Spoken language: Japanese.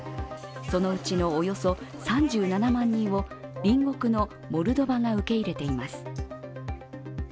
そのうちのおよそ３７万人を隣国のモルドバが受け入れています。